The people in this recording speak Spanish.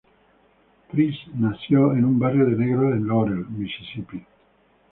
Price nació en un barrio de negros en Laurel, Misisipi.